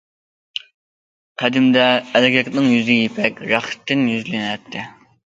قەدىمدە ئەلگەكنىڭ يۈزى يىپەك رەختتىن يۈزلىنەتتى.